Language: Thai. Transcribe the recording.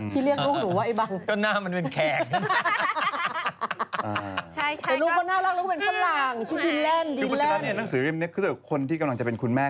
เพราะฉะนั้นในเรื่องนี้คนที่กำลังจะเป็นคุณแม่